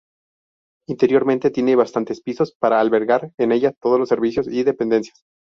Interiormente tiene bastantes pisos para albergar en ella todos los servicios y dependencias.